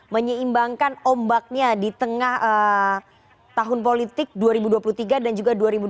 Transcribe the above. menyeimbangkan ombaknya di tengah tahun politik dua ribu dua puluh tiga dan juga dua ribu dua puluh